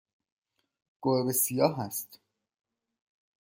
گربه سیاه است.